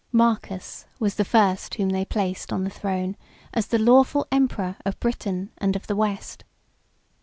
95 Marcus was the first whom they placed on the throne, as the lawful emperor of Britain and of the West.